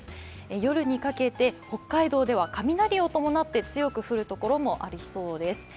夜にかけて北海道では雷を伴って強く降るところもありそうです。